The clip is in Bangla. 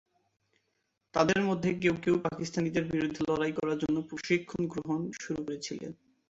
তাদের মধ্যে কেউ কেউ পাকিস্তানিদের বিরুদ্ধে লড়াই করার জন্য প্রশিক্ষণ গ্রহণ শুরু করেছিলেন।